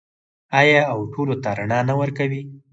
آیا او ټولو ته رڼا نه ورکوي؟